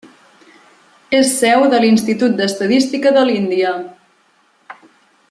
És seu de l'Institut d'Estadística de l'Índia.